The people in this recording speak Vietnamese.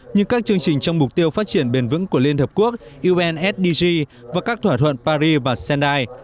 như các chương trình trong mục tiêu phát triển bền vững của liên hợp quốc unsdg và các thỏa thuận paris và sendai